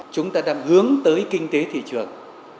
chúng ta đang hướng tới kinh tế thị trường